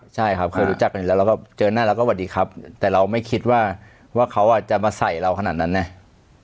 ใช่ครับเคยรู้จักกันอยู่แล้วแล้วก็เจอหน้าเราก็สวัสดีครับแต่เราไม่คิดว่าเขาจะมาใส่เราขนาดนั้นไง